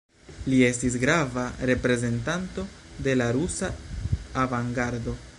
Li estis grava reprezentanto de la rusa avangardo.